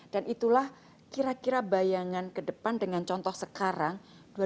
dan itulah kira kira bayangan ke depan dengan contoh sekarang dua ribu empat puluh lima